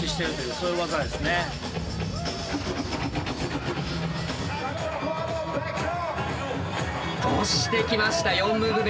そして来ました４ムーブ目。